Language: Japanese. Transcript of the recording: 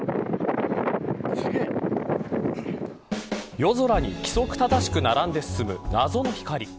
夜空に規則正しく並んで進む謎の光。